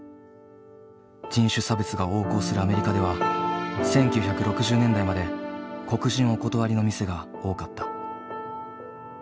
人種差別が横行するアメリカでは１９６０年代まで黒人お断りの店が多かった。